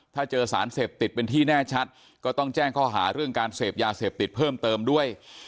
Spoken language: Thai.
ถ้าเจอสารเสพติดเป็นที่แน่ชัดก็ต้องแจ้งข้อหาเรื่องการเสพยาเสพติดเพิ่มเติมด้วย